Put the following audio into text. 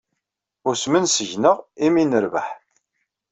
Usmen seg-neɣ imi ay nerbeḥ.